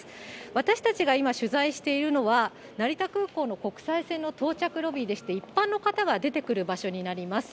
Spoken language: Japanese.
私たちが今、取材しているのは、成田空港の国際線の到着ロビーでして、一般の方が出てくる場所になります。